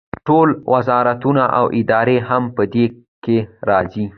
ټول وزارتونه او ادارې هم په دې کې راځي.